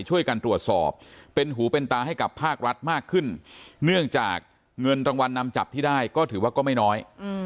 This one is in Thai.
ช่วยกันตรวจสอบเป็นหูเป็นตาให้กับภาครัฐมากขึ้นเนื่องจากเงินรางวัลนำจับที่ได้ก็ถือว่าก็ไม่น้อย